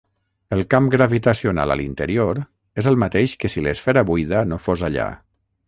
El camp gravitacional a l'interior és el mateix que si l'esfera buida no fos allà.